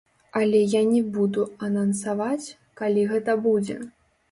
Але я не буду анансаваць, калі гэта будзе.